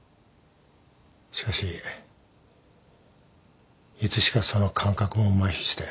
しかしいつしかその感覚もまひして。